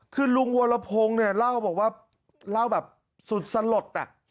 คือลุงวรพงษ์เนี่ยเล่าแบบสุดสลด